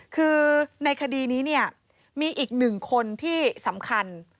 คือในคดีนี้เนี่ยมีอีกหนึ่งคนที่สำคัญ